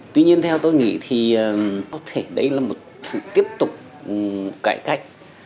tuy nhiên theo tôi nghĩ thì có thể đây là một sự tiếp tục cải cách